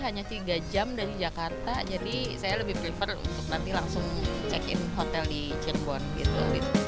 hanya tiga jam dari jakarta jadi saya lebih prefer untuk nanti langsung check in hotel di cirebon gitu